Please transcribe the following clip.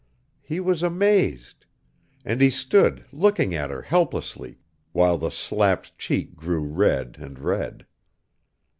He was amazed; and he stood, looking at her helplessly, while the slapped cheek grew red and red.